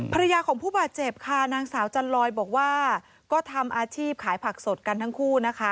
ภรรยาของผู้บาดเจ็บค่ะนางสาวจันลอยบอกว่าก็ทำอาชีพขายผักสดกันทั้งคู่นะคะ